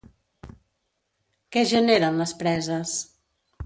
Què generen les preses?